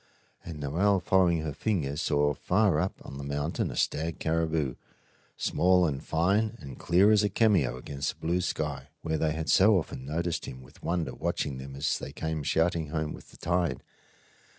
And Noel, following her finger, saw far up on the mountain a stag caribou, small and fine and clear as a cameo against the blue sky, where they had so often noticed him with wonder watching them as they came shouting home with the tide.